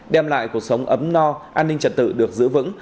đem lại cuộc sống ấm no an ninh trật tự được giữ vững